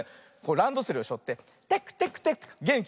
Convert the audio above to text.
ランドセルをしょってテクテクテクってげんきに。